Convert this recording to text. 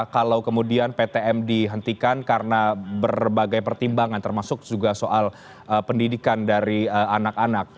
kalau kemudian ptm dihentikan karena berbagai pertimbangan termasuk juga soal pendidikan dari anak anak